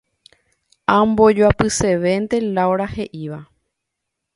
Ambojoapysevénte Laura he'íva.